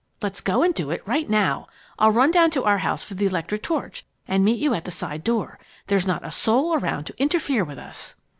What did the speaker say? Let's go and do it right now. I'll run down to our house for the electric torch and meet you at the side door. There's not a soul around to interfere with us!"